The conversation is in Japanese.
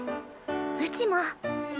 うちも！